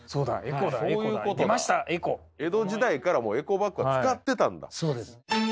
エコそういうことだ江戸時代からエコバッグは使ってたんだそうです